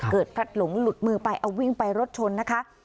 พลัดหลงหลุดมือไปเอาวิ่งไปรถชนนะคะ